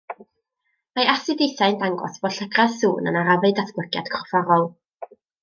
Mae astudiaethau yn dangos bod llygredd sŵn yn arafu datblygiad corfforol